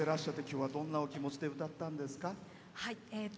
今日は、どんなお気持ちで歌ったんですか？